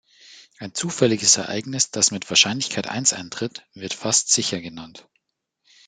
Ein zufälliges Ereignis, das mit Wahrscheinlichkeit eins eintritt, wird "fast sicher" genannt.